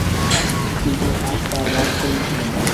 কিন্তু আজ তাঁর রাগ কমছে না।